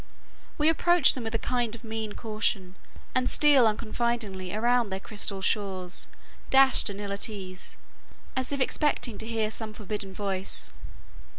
We approach them with a kind of mean caution, and steal unconfidingly around their crystal shores, dashed and ill at ease, as if expecting to hear some forbidding voice.